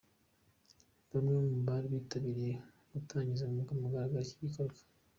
Bamwe mu bari bitabiriye gutangiza ku mugaragaro iki gikorwa.